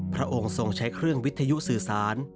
พระองค์ทรงใช้เครื่องวิทยุสื่อสาร